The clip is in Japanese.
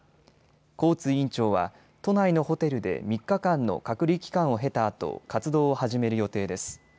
コーツ委員長は都内のホテルで３日間の隔離期間を経たあと活動を始める予定です。